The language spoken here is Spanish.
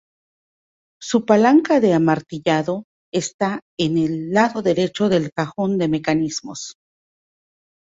Su palanca de amartillado está en el lado derecho del cajón de mecanismos.